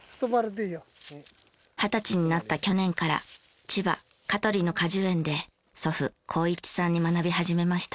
二十歳になった去年から千葉香取の果樹園で祖父好一さんに学び始めました。